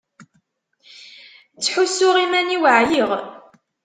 Ttḥussuɣ iman-iw ɛyiɣ.